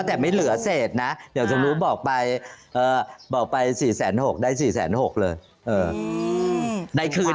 แต่ไม่เหลือเศษนะอย่างสมมุติบอกไป๔๖๐๐๐๐บาทได้๔๖๐๐๐๐บาทเลย